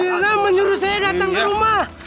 mirna menyuruh saya datang ke rumah